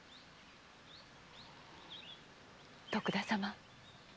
徳田様。